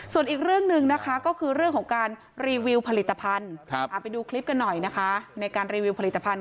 ส่วนอีกเรื่องหนึ่งนะคะก็คือเรื่องของการรีวิวผลิตภัณฑ์